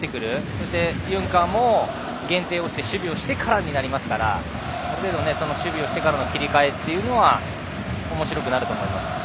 そして、ユンカーも限定をして守備をしてからになりますからある程度守備をしてからの切り替えはおもしろくなると思います。